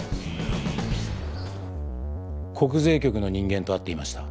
国税局の人間と会っていました。